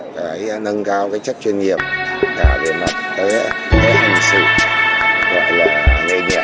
sinh năm một nghìn chín trăm chín mươi năm quê đồng này